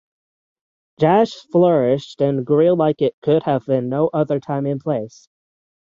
Jazz flourished and grew like it could have in no other time and place.